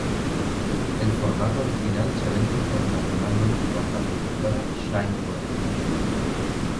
El formato original se vende internacionalmente por la productora Shine Group.